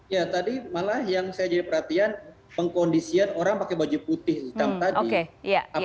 ya tadi malah yang saya jadi perhatian pengkondisian orang pakai baju putih hitam tadi